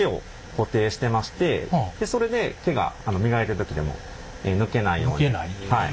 それで毛が磨いている時でも抜けないように。